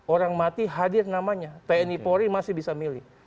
orang mati hadir namanya tni pori masih bisa memilih